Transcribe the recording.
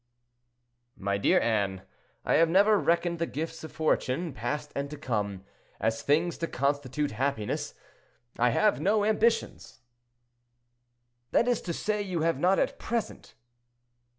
'" "My dear Anne, I have never reckoned the gifts of fortune, past and to come, as things to constitute happiness; I have no ambitions." "That is to say, you have not at present."